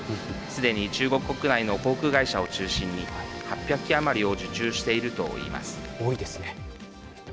すでに中国国内の航空会社を中心に８００機余りを受注している多いですね。